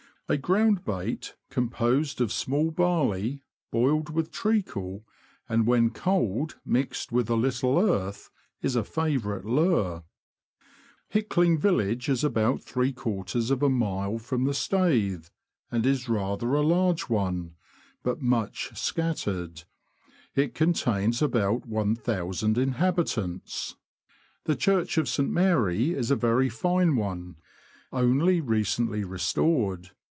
A ground bait composed of small barley, boiled with treacle, and when cold mixed with a little earth, is a favourite lure. Hickling village is about three quarters of a mile 198 THE LAND OF THE BROADS. from the Stalthe, and Is rather a large one, but much scattered ; it contains about looo inhabitants. The church of St. Mary is a very fine one, only recently restored.